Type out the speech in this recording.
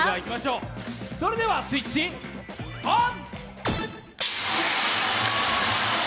それではスイッチオン！